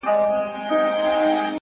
تر مرگه پوري هره شـــپــــــه را روان!!